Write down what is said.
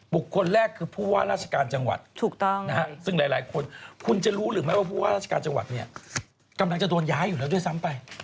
คนแรกคือผู้ว่าราชการจังหวัดถูกต้องซึ่งหลายคนคุณจะรู้หรือไม่ว่าผู้ว่าราชการจังหวัดเนี่ยกำลังจะโดนย้ายอยู่แล้วด้วยซ้ำไป